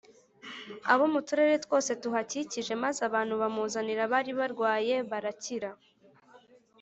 abo mu turere twose tuhakikije maze abantu bamuzanira abari barwaye barakira